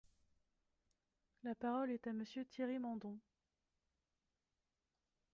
La parole est à Monsieur Thierry Mandon.